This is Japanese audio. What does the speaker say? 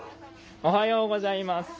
おはようございます。